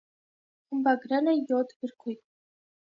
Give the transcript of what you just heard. Խմբագրել է յոթ գրքույկ։